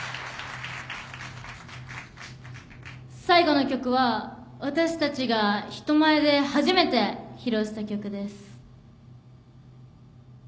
最後の曲は私たちが人前で初めて披露した曲です。